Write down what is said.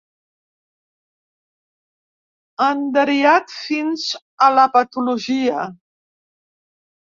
Enderiat fins a la patologia.